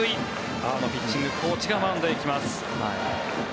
阿波野ピッチングコーチがマウンドに行きます。